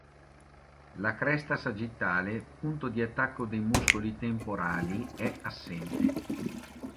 La cresta sagittale, punto di attacco dei muscoli temporali, è assente.